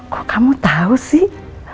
kok kamu tahu sih